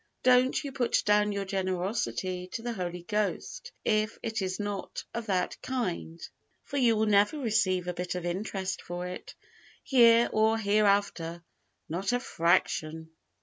Don't you put down your generosity to the Holy Ghost if it is not of that kind, for you will never receive a bit of interest for it, here or hereafter not a fraction!